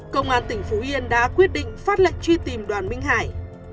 công an tỉnh phú yên đã quyết định phát lệnh truy tìm đoàn minh hải